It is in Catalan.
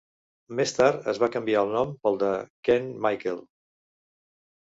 Més tard, es va canviar el nom pel de Kenn Michael.